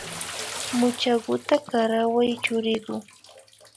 Muchakuta karaway churiku